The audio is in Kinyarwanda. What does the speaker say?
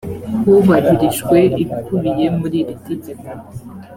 hubahirijwe ibikubiye muri iri tegeko